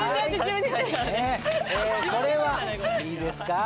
これはいいですか？